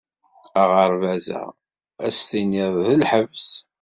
Aɣerbaz-a ad s-tiniḍ d lḥebs.